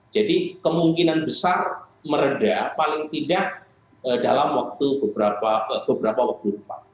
jadi kemungkinan besar meredah paling tidak dalam waktu beberapa waktu depan